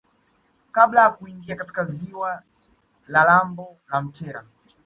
kabla ya kuingia katika ziwa la lambo la Mtera